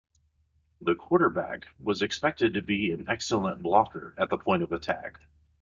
The quarterback was expected to be an excellent blocker at the point of attack.